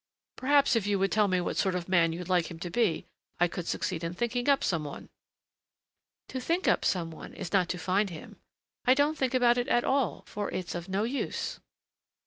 Perhaps, if you would tell me what sort of a man you'd like him to be, I could succeed in thinking up some one." "To think up some one is not to find him. I don't think about it at all, for it's of no use."